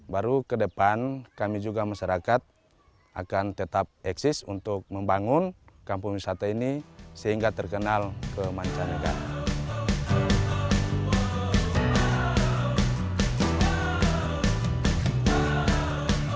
baru ke depan kami juga masyarakat akan tetap eksis untuk membangun kampung wisata ini sehingga terkenal kemancanegara